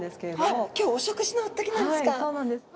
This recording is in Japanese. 今日お食事の時なんですか。